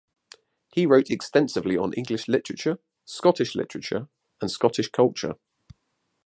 He wrote extensively on English literature, Scottish literature and Scottish culture.